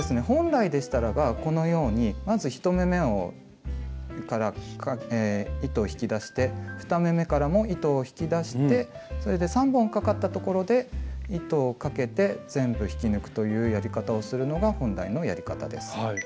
本来でしたらばこのようにまず１目めを糸を引き出して２目めからも糸を引き出してそれで３本かかったところで糸をかけて全部引き抜くというやり方をするのが本来のやり方です。